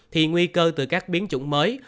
thì nguy cơ từ các biến chủng mới